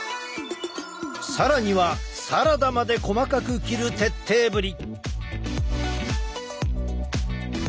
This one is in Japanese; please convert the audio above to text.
更にはサラダまで細かく切る徹底ぶり！